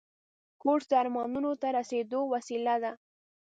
کورس د ارمانونو ته رسیدو وسیله ده.